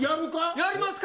やりますか。